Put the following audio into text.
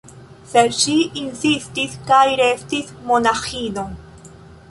Sed ŝi insistis kaj restis monaĥino.